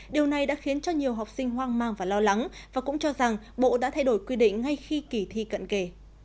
điều này đã khiến cho nhiều học sinh hoang mang và lo lắng và cũng cho rằng bộ đã thay đổi quy định ngay khi kỳ thi cận kề